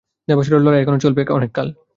দেবাসুরের লড়াই এখনও চলবে অনেক কাল।